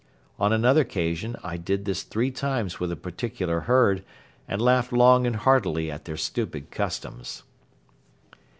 On another occasion I did this three times with a particular herd and laughed long and heartily at their stupid customs.